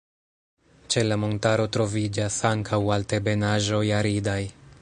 Ĉe la montaro troviĝas ankaŭ altebenaĵoj aridaj.